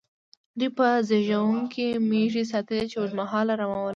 دوی به زېږوونکې مېږې ساتلې، چې اوږد مهاله رمه ولري.